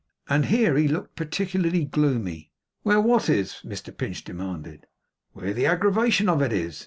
And here he looked particularly gloomy. 'Where what is?' Mr Pinch demanded. 'Where the aggravation of it is.